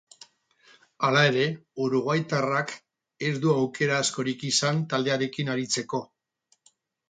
Hala ere, uruguaitarrak ez du aukera askorik izan taldearekin aritzeko.